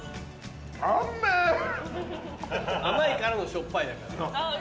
甘いからのしょっぱいだから。